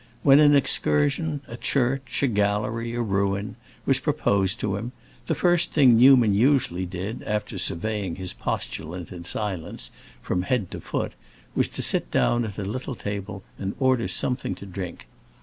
When an excursion, a church, a gallery, a ruin, was proposed to him, the first thing Newman usually did, after surveying his postulant in silence, from head to foot, was to sit down at a little table and order something to drink.